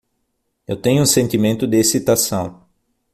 Eu tenho um sentimento de excitação